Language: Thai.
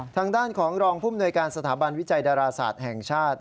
ทางด้านของรองภูมิหน่วยการสถาบันวิจัยดาราศาสตร์แห่งชาติ